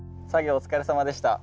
お疲れさまでした。